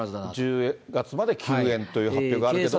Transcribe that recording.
１０月まで休演という発表があるけれども。